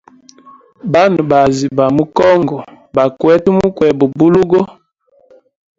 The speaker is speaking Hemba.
Bana baazi ba mu congo bakwete mukweba bulugo.